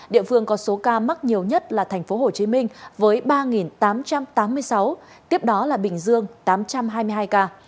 địa phương có số ca mắc nhiều nhất là tp hcm với ba tám trăm tám mươi sáu tiếp đó là bình dương tám trăm hai mươi hai ca